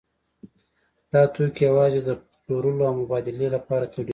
دا توکي یوازې د پلورلو او مبادلې لپاره تولیدېږي